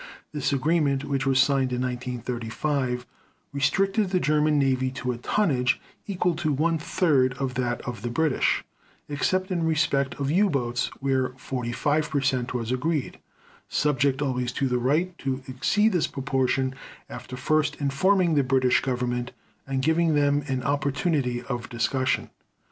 This agreement, which was signed in 1935, restricted the German Navy to a tonnage equal to one third of that of the British, except in respect of U boats where 45 percent was agreed, subject always to the right to exceed this proportion after first informing the British Government and giving them an opportunity of discussion.